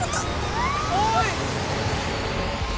おい。